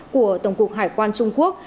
của tổng cục hải quan trung quốc